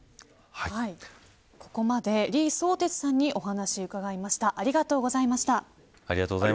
ここまで李相哲さんにお話を伺いました。